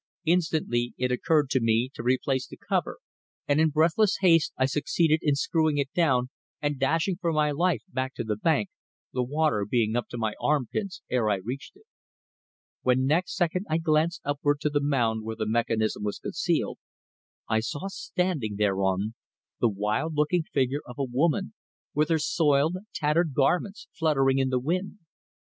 Instantly it occurred to me to replace the cover, and in breathless haste I succeeded in screwing it down and dashing for my life back to the bank, the water being up to my arm pits ere I reached it. When next second I glanced upward to the mound where the mechanism was concealed, I saw standing thereon the wild looking figure of a woman with her soiled, tattered garments fluttering in the wind.